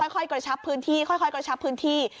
ค่อยกระชับพื้นที่